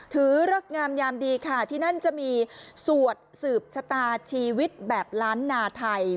เริกงามยามดีค่ะที่นั่นจะมีสวดสืบชะตาชีวิตแบบล้านนาไทย